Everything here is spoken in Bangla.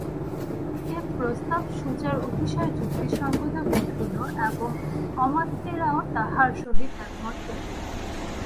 এ প্রস্তাব সুজার অতিশয় যুক্তিসংগত বোধ হইল, এবং অমাত্যেরাও তাঁহার সহিত একমত হইল।